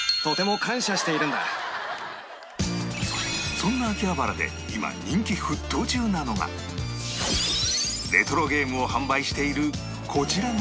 そんな秋葉原で今人気沸騰中なのがレトロゲームを販売しているこちらのお店